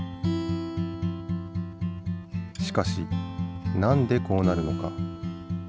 しかしなんでこうなるのか？